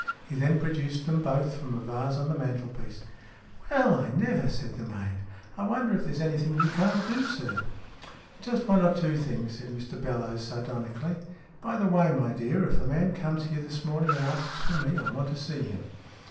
He then produced them both from a vase on the mantelpiece. " Well, I never !" said the maid. " I wonder if there's anything you can't do, sir ?" "Just one or two things," said Mr Bellowes, sardonically. " By the way, my dear, if a man comes here this morning and asks for me, I want to see him."